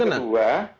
kemudian yang kedua